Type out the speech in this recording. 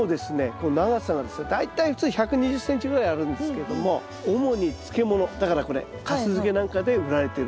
この長さがですね大体普通１２０ｃｍぐらいあるんですけれども主に漬物だからこれかす漬けなんかで売られてる。